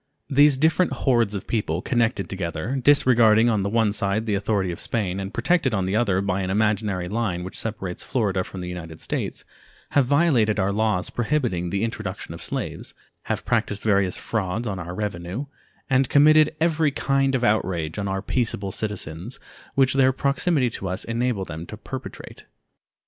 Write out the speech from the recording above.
These different hordes of people, connected together, disregarding on the one side the authority of Spain, and protected on the other by an imaginary line which separates Florida from the United States, have violated our laws prohibiting the introduction of slaves, have practiced various frauds on our revenue, and committed every kind of outrage on our peaceable citizens which their proximity to us enabled them to perpetrate.